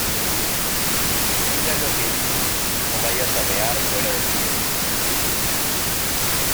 Vigila lo que dices no vayas a mear fuera del tiesto